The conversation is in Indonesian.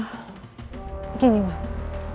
ah begini mas